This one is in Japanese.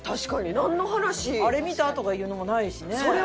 あれ見た？とかいうのもないしね。